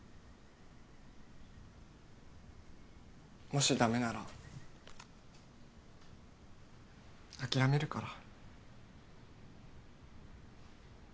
もしダメなら諦めるから。